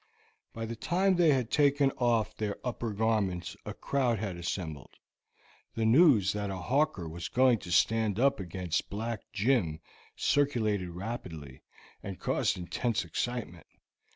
By the time they had taken off their upper garments a crowd had assembled. The news that a hawker was going to stand up against Black Jim circulated rapidly, and caused intense excitement.